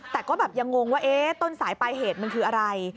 แต่ก็แบบยังงงว่าต้นสายปลายเหตุมันคืออะไร